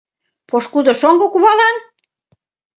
Пошкудо шоҥго кувалан?